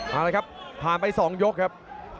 เอาละครับผ่านไป๒ยกครับ